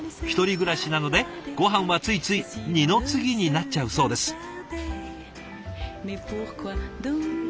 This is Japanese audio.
１人暮らしなのでごはんはついつい二の次になっちゃうそうです。